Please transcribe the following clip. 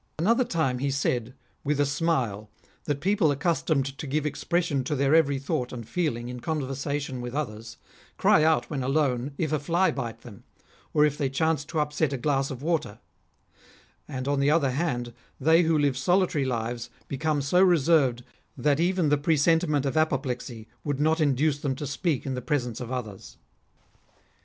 At another time he said, with a smile, that people 128 REMARKABLE SAYINGS OF accustomed to give expression to their every thought and feeling in conversation with others, cry out when alone if a fly bite them, or if they chance to upset a glass of water; and, on the other hand, they who live solitary lives become so reserved that even the presentiment of apoplexy would not induce them to speak in the presence of others.